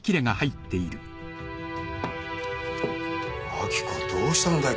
明子どうしたんだよ